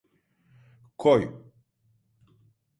Koy!